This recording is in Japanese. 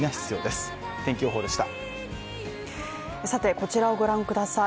こちらをご覧ください。